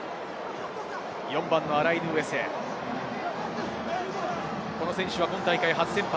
４番のアライヌウエセ、この選手は今大会、初先発。